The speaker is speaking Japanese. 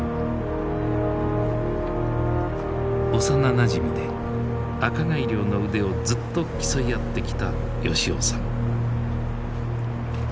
幼なじみで赤貝漁の腕をずっと競い合ってきた吉男さん。